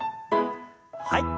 はい。